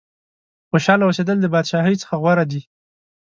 خوشاله اوسېدل د بادشاهۍ څخه غوره دي.